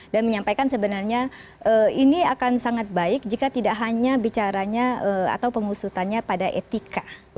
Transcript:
dan menyampaikan sebenarnya ini akan sangat baik jika tidak hanya bicaranya atau pengusutannya pada etika